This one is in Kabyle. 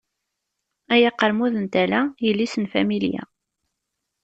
Ay aqermud n tala, yelli-s n familya.